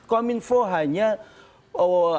kominfo hanya dia melakukan take down